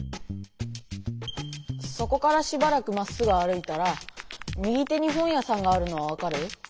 そこからしばらくまっすぐ歩いたら右手に本屋さんがあるのは分かる？